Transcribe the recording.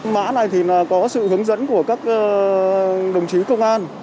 mã này thì có sự hướng dẫn của các đồng chí công an